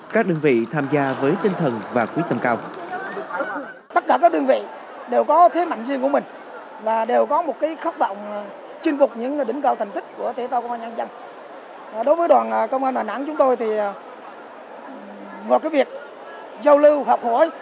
các đơn vị tham gia với tinh thần và quyết tâm cao